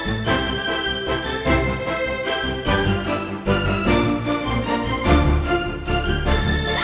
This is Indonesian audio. sekali lagi sekali lagi